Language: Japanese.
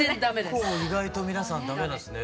結構意外と皆さんダメなんですね。